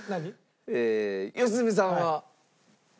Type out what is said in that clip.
良純さんは？